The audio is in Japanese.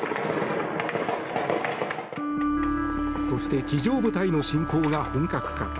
そして地上部隊の侵攻が本格化。